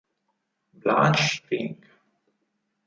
Blanche Ring